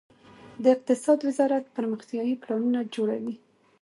د اقتصاد وزارت پرمختیايي پلانونه جوړوي